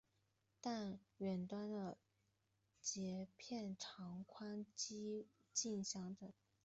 但远端的节片长宽几近相等。